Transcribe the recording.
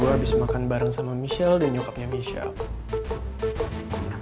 gue habis makan bareng sama michelle dan nyokapnya michelle